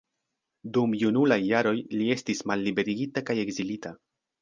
Dum junulaj jaroj li estis malliberigita kaj ekzilita.